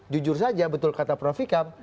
jujur saja betul kata prof ikam